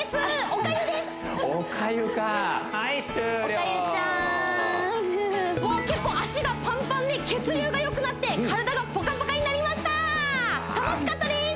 おかゆちゃん結構足がパンパンで血流がよくなって体がポカポカになりました楽しかったです！